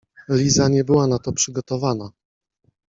Liza nie była na to przygotowana.